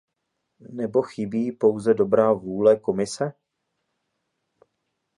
Nebo chybí pouze dobrá vůle Komise?